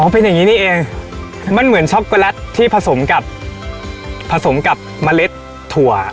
เป็นอย่างนี้นี่เองมันเหมือนช็อกโกแลตที่ผสมกับผสมกับเมล็ดถั่ว